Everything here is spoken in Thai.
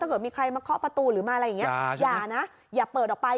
เกิดมีใครมาเคาะประตูหรือมาอะไรอย่างนี้อย่านะอย่าเปิดออกไป